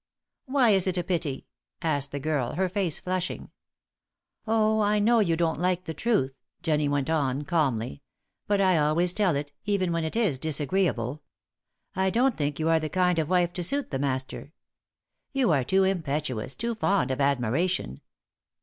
"Why is it a pity?" asked the girl, her face flushing. "Oh. I know you don't like the truth," Jennie went on, calmly. "But I always tell it, even when it is disagreeable. I don't think you are the kind of wife to suit the Master. You are too impetuous, too fond of admiration.